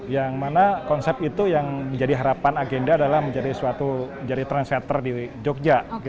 yang mana konsep itu yang menjadi harapan agenda adalah menjadi transitor di jogja